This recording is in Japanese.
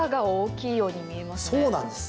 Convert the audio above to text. そうなんです。